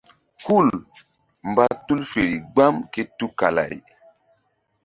Hul mba tul feri gbam ké tukala-ay.